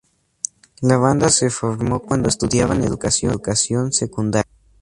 La banda se formó cuando estudiaban Educación Secundaria.